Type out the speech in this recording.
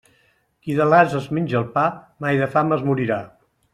Qui de l'ase es menja el pa, mai de fam es morirà.